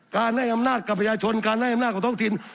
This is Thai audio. การให้อำนาจกับประชาชนการให้อำนาจของท้องถิ่น